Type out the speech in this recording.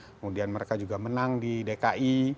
kemudian mereka juga menang di dki